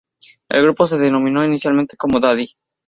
El grupo se denominó inicialmente como Daddy.